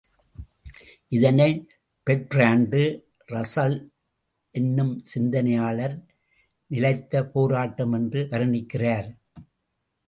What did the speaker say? இதனை Bertrand Russell என்னும் சிந்தனையாளர் நிலைத்த போராட்டம் என்று வருணிக்கிறார்.